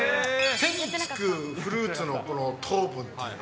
手につくフルーツのこの糖分っていうの？